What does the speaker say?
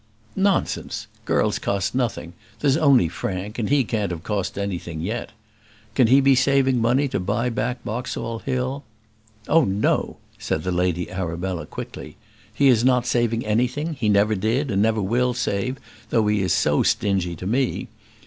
"Nonsense! Girls cost nothing; there's only Frank, and he can't have cost anything yet. Can he be saving money to buy back Boxall Hill?" "Oh no!" said the Lady Arabella, quickly. "He is not saving anything; he never did, and never will save, though he is so stingy to me.